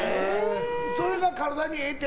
それが体にええって